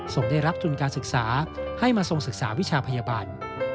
ได้รับทุนการศึกษาให้มาทรงศึกษาวิชาพยาบาล